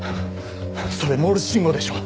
それモールス信号でしょ？